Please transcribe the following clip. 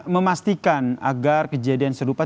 memastikan agar kejadian serupa